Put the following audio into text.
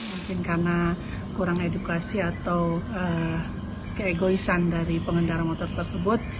mungkin karena kurang edukasi atau keegoisan dari pengendara motor tersebut